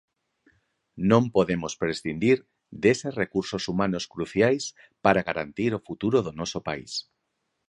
Non podemos prescindir deses recursos humanos cruciais para garantir o futuro do noso país.